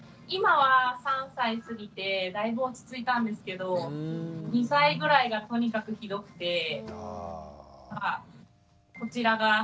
今は３歳過ぎてだいぶ落ち着いたんですけど２歳ぐらいがとにかくひどくて。